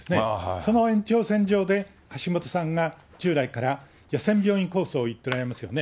その延長線上で橋下さんが従来から野戦病院構想を言っておられますよね。